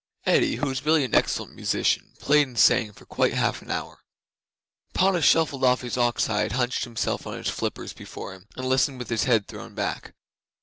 'Eddi, who is really an excellent musician, played and sang for quite half an hour. Padda shuffled off his ox hide, hunched himself on his flippers before him, and listened with his head thrown back.